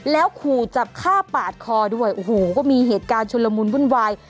แล้วขู่จะฆ่าปาดคอด้วยโอ้โหก็มีเหตุการณ์ชุลมุนวุ่นวาย